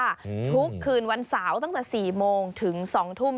ทุกคืนวันเสาร์ตั้งแต่สี่โมงถึงสองทุ่ม